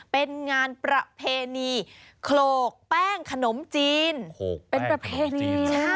เป็นงานประเพณีโขลกแป้งขนมจีนโขลกแป้งขนมจีน